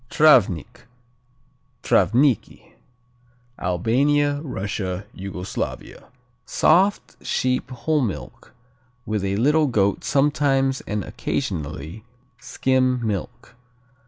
Travnik, Travnicki Albania, Russia, Yugoslavia Soft, sheep whole milk with a little goat sometimes and occasionally skim milk.